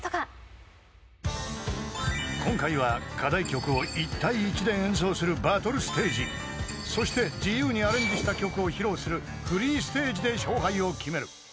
［今回は課題曲を１対１で演奏するバトルステージそして自由にアレンジした曲を披露するフリーステージで勝敗を決める］